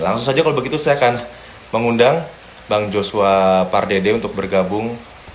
langsung saja kalau begitu saya akan mengundang bang joshua pardede untuk bergabung